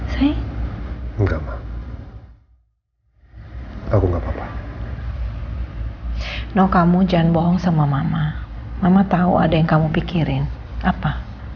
sayang enggak aku nggak papa no kamu jangan bohong sama mama mama tahu ada yang kamu pikirin apa